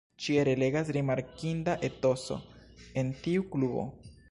Ĉie regas rimarkinda etoso en tiu klubo.